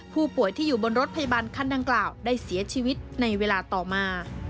ผู้ป่วยที่อยู่บนรถพยาบาลคันดังกล่าวได้เสียชีวิตในเวลาต่อมา